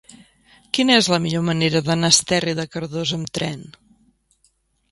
Quina és la millor manera d'anar a Esterri de Cardós amb tren?